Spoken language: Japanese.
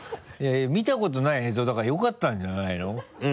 見たことない映像だからよかったんじゃないの？